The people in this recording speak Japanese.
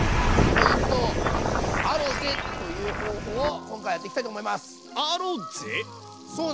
「アロゼ」という方法を今回やっていきたいと思います。